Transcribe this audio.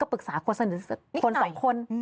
ก็ปรึกษาคนสองคน